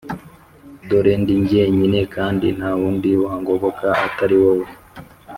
dore ndi jyenyine kandi nta wundi wangoboka atari wowe